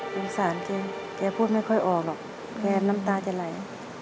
สงสารแกพูดไม่ค่อยออกหรอกแกน้ำตาจะไหล